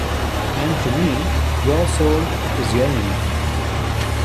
And to me, your soul is your intent.